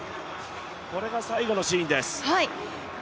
これが最後のシーンです。